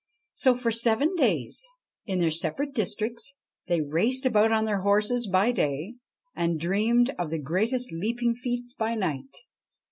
So, for seven days, in their separate districts, they raced about on their horses by day and dreamed of the greatest leaping feats by night.